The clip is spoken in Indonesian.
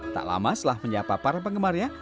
tak lama setelah menyapa para penggemarnya